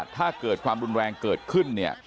ถ้าเกิดความรุนแรงเกิดขึ้นเนี่ย